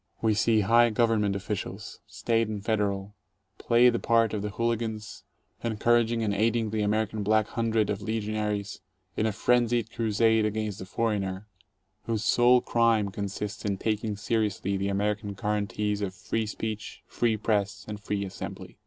We see high Government officials, State and Federal, play the part of the hooli gans, encouraging and aiding the American Black Hundred of legionaries, in a frenzied crusade against the "foreigner," whose sole crime consists in taking seriously the American guarantees of free speech, free press, and free assembly.